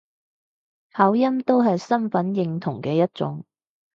口音都係身份認同嘅一種